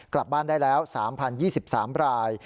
กลับบ้านได้แล้ว๓๐๒๓ราย